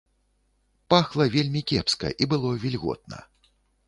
Пахла вельмі кепска, і было вільготна.